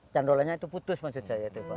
candolannya itu putus maksud saya itu